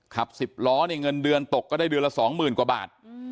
ขับ๑๐ล้อเนี่ยเงินเดือนตกก็ได้เดือนละ๒๐๐๐กว่าบาท